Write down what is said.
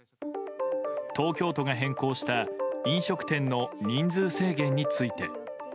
東京都が変更した飲食店の人数制限について。